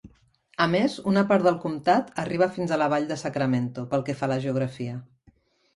A més, una part del comtat arriba fins a la Vall de Sacramento, pel que fa a la geografia.